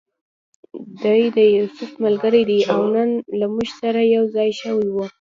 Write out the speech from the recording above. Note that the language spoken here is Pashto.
دی د یوسف ملګری دی او نن له موږ سره یو ځای شوی و.